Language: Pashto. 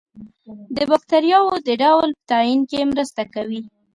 د باکتریاوو د ډول په تعین کې مرسته کوي.